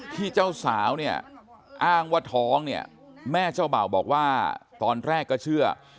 ที่เจ้าสาวเนี่ยอ้างว่าท้องเนี่ยแม่เจ้าเบ่าบอกว่าตอนแรกก็เชื่อ